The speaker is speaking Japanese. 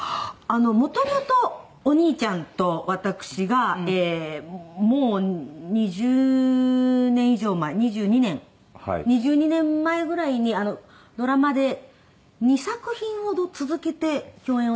もともとお兄ちゃんと私がもう２０年以上前２２年２２年前ぐらいにドラマで２作品ほど続けて共演をさせていただきまして。